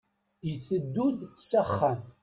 Iteddu-d s axxam.